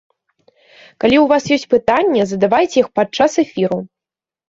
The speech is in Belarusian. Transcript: Калі ў вас ёсць пытанні, задавайце іх падчас эфіру!